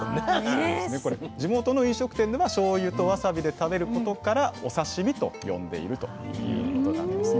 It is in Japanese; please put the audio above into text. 地元の飲食店ではしょうゆとわさびで食べることからお刺身と呼んでいるということなんですね。